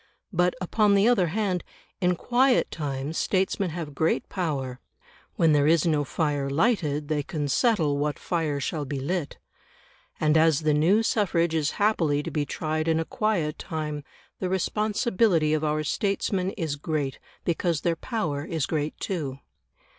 But, upon the other hand, in quiet times statesmen have great power; when there is no fire lighted, they can settle what fire shall be lit. And as the new suffrage is happily to be tried in a quiet time, the responsibility of our statesmen is great because their power is great too.